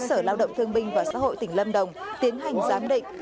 sở lao động thương binh và xã hội tỉnh lâm đồng tiến hành giám định